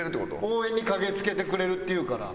応援に駆け付けてくれるっていうから。